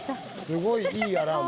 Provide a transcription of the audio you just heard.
すごいいいアラーム。